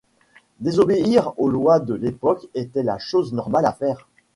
Désobéir aux lois de l’époque était la chose normale à faire.